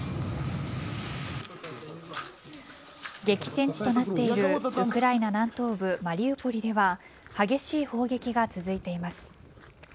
激戦地となっているウクライナ南東部マリウポリでは激しい砲撃が続いています。